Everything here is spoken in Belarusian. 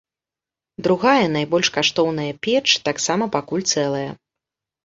Другая, найбольш каштоўная печ, таксама пакуль цэлая.